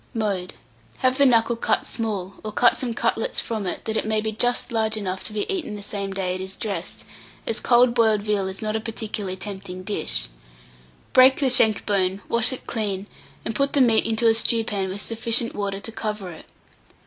] Mode. Have the knuckle cut small, or cut some cutlets from it, that it may be just large enough to be eaten the same day it is dressed, as cold boiled veal is not a particularly tempting dish. Break the shank bone, wash it clean, and put the meat into a stewpan with sufficient water to cover it.